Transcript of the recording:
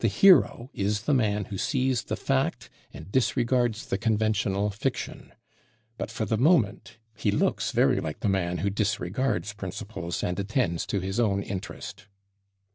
The hero is the man who sees the fact and disregards the conventional fiction; but for the moment he looks very like the man who disregards principles and attends to his own interest.